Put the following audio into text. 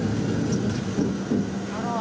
あら！